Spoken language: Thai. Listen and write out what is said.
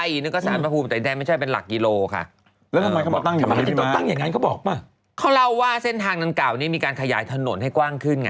อีกผู้ทุบกำลังไปไหว้อยู่อะ